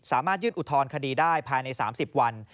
สามารถยื่นอุทธรณคดีได้ภายใน๓๐วัน